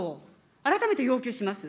改めて要求します。